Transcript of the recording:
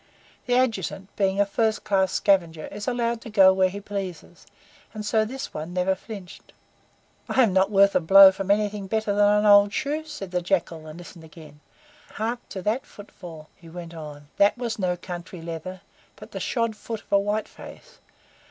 The Adjutant, being a first class scavenger, is allowed to go where he pleases, and so this one never flinched. "I am not worth a blow from anything better than an old shoe," said the Jackal, and listened again. "Hark to that footfall!" he went on. "That was no country leather, but the shod foot of a white face.